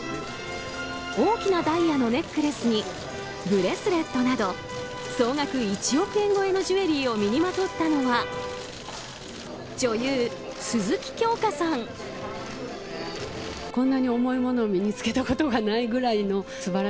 大きなダイヤのネックレスにブレスレットなど総額１億円超えのジュエリーを身にまとったのは女優・鈴木京香さん。